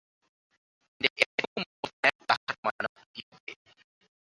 ഇതിന്റെ ഏറ്റവും മൂർത്തമായ ഉദാഹരണമാണ് യു.കെ.